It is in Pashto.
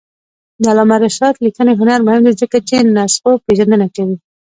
د علامه رشاد لیکنی هنر مهم دی ځکه چې نسخوپېژندنه کوي.